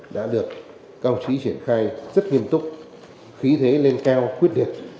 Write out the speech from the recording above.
đã được công chí triển khai rất nghiêm túc khí thế lên cao khuyết liệt